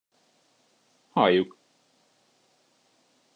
Halljuk!